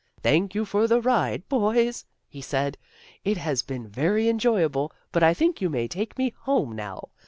' Thank you for the ride, boys,' he said. ' It has been very enjoyable! But I think you may take me home now.'